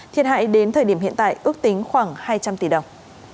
thiệt hại đến thời điểm hiện tại ước tính khoảng hai trăm linh tỷ đồng